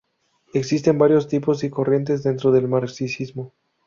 Existen varios tipos y corrientes dentro del marxismo.